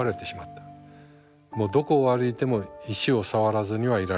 もうどこを歩いても石を触らずにはいられない。